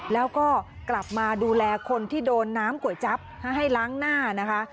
แล้วก็กลับมาดูแลคนที่โดนน้ำก๋วยจั๊บให้ล้างหน้านะคะ